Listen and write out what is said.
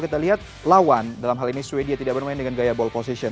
kita lihat lawan dalam hal ini sweden tidak bermain dengan gaya ball position